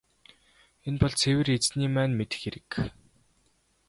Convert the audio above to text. Энэ бол цэвэр Эзэний маань мэдэх хэрэг.